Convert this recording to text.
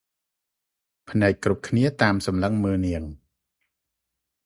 ភ្នែកគ្រប់គ្នាតាមសម្លឹងមើលនាង។